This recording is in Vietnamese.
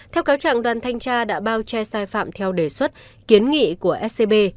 theo cáo trạng đoàn thanh tra đã bao che sai phạm theo đề xuất kiến nghị của scb